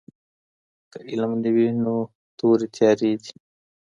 که علم نه وي نو توري تیارې دي.